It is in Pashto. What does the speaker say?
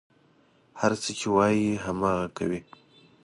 هر څه چې وايي، هماغه کوي.